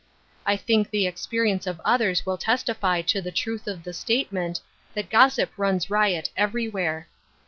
I think the experience of others will testify to the truth of the statement that gossip runs riot everywhere.